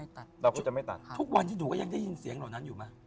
ทุกวันที่หนูก็ยังได้ยินเสียงเหล่านั้นอยู่ไหม